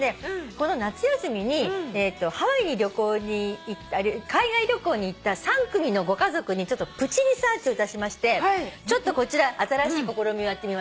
この夏休みに海外旅行に行った３組のご家族にちょっとプチリサーチをいたしましてちょっとこちら新しい試みをやってみました。